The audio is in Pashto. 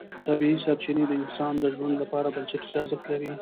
طبیعي سرچینې د انسان د ژوند لپاره بنسټیز ارزښت لري